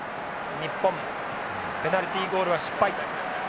日本ペナルティゴールは失敗。